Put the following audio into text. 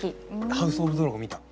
『ハウス・オブ・ザ・ドラゴン』見た？